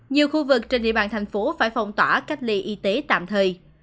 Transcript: nhiều khu vực trên địa bàn thành phố phải phong tỏa cách ly y tế tạm thời